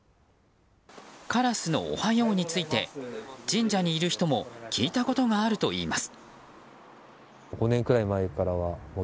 カラスのおはようについて神社にいる人も聞いたことがあるといいます。